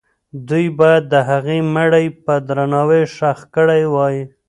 دوی باید د هغې مړی په درناوي ښخ کړی وای.